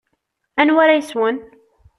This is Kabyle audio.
Anwa ara yeswen?